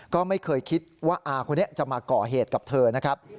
ก็ไม่เคยคิดว่าอาคนนี้จะมาก่อเหตุกับเธอนะครับ